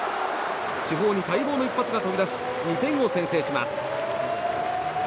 主砲に待望の一発が飛び出し２点を先制します。